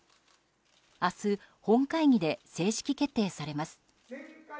明日、本会議で正式決定されます。